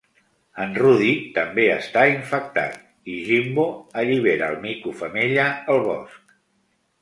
En Rudy també està infectat i "Jimbo" allibera el mico femella al bosc.